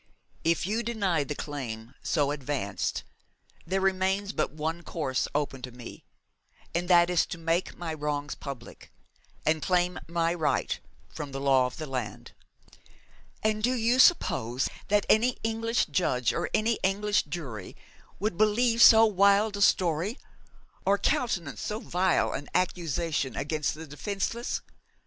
If you deny the claim so advanced, there remains but one course open to me, and that is to make my wrongs public, and claim my right from the law of the land.' 'And do you suppose that any English judge or English jury would believe so wild a story or countenance so vile an accusation against the defenceless?'